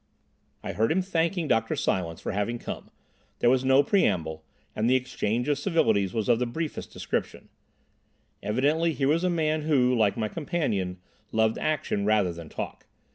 I heard him thanking Dr. Silence for having come; there was no preamble, and the exchange of civilities was of the briefest description. Evidently here was a man who, like my companion, loved action rather than talk.